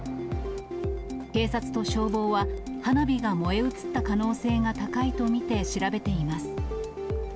警察と消防は、花火が燃え移った可能性が高いと見て調べています。